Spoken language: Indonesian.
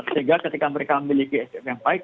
sehingga ketika mereka memiliki sdm yang baik